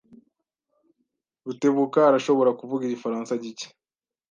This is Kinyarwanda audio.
Rutebuka arashobora kuvuga igifaransa gike.